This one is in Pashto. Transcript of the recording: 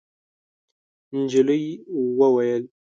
نجلۍ وویل: